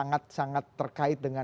sangat sangat terkait dengan